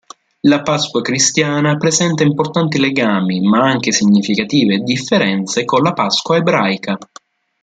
La Pasqua cristiana presenta importanti legami, ma anche significative differenze, con la Pasqua ebraica.